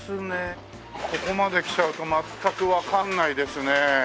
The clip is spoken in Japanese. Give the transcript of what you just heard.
ここまできちゃうと全くわからないですね。